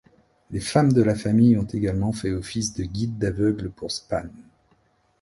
Les femmes de la Famille ont également fait office de guide d'aveugle pour Spahn.